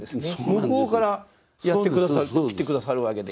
向こうからやって来て下さるわけで。